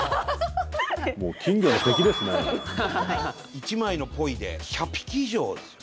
１枚のポイで１００匹以上ですよ。